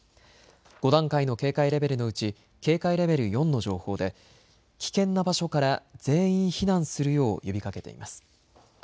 ５段階の警戒レベルのうち警戒レベル４の情報で危険な場所から全員避難するよう呼びかけています。